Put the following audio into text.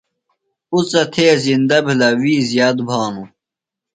اُڅہ تھےۡ زندہ بِھلہ، وِی زِیات بھانوۡ